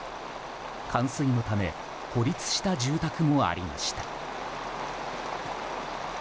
冠水のため孤立した住宅もありました。